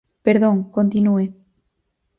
Perdón, continúe.